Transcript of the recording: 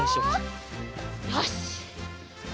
よし！